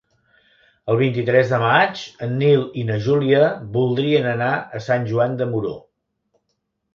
El vint-i-tres de maig en Nil i na Júlia voldrien anar a Sant Joan de Moró.